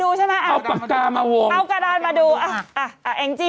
นุ่มกำลังงบว่าทำไมถึงหลอนนะอะไรอย่างเงี้ย